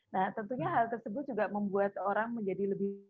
nah tentunya hal tersebut juga membuat orang menjadi lebih